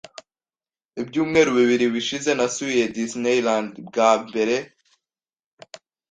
Ibyumweru bibiri bishize, nasuye Disneyland bwa mbere.